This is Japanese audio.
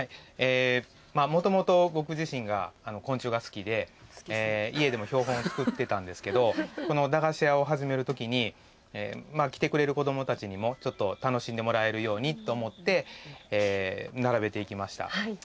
もともと僕自身が昆虫が好きで家でも標本を作っていたんですけれどこの駄菓子屋を始めるときに来てくれる子どもたちにもちょっと楽しんでもらえるようにと思って並べていきました。